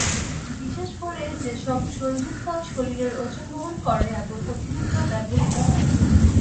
বিশেষ করে যেসব সন্ধিস্থল শরীরের ওজন বহন করে এবং অতিরিক্ত ব্যবহৃত হয়।